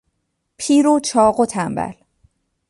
پیر و چاق و تنبل